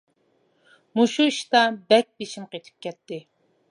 مۇشۇ ئىشتا بەك بېشىم قېتىپ كەتتى.